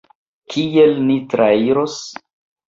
Kiel ni trairos?